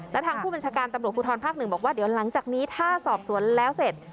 และทางผู้บัญชาการตำรวจภูทรภาคหนึ่งบอกว่าเดี๋ยวหลังจากนี้ถ้าสอบสวนแล้วเสร็จ